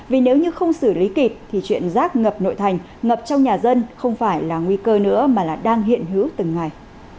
vì nếu như không xử lý kịp thì chuyện rác ngập nội thành ngập trong nhà dân không phải là nguy cơ nữa mà lại đang hiện hữu từng ngày